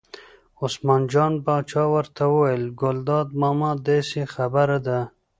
عثمان جان پاچا ورته وویل: ګلداد ماما داسې خبره ده.